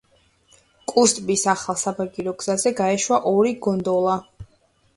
კუს ტბის ახალ საბაგირო გზაზე გაეშვა ორი გონდოლა.